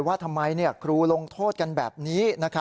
ว่าทำไมครูลงโทษกันแบบนี้